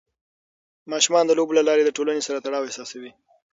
ماشومان د لوبو له لارې د ټولنې سره تړاو احساسوي.